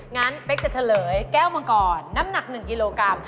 งั้นเป๊กจะเฉลยแก้วมังกรน้ำหนัก๑กิโลกรัม